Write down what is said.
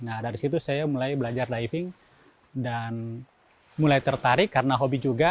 nah dari situ saya mulai belajar diving dan mulai tertarik karena hobi juga